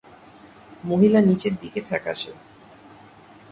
মহিলা নীচের দিকে ফ্যাকাশে।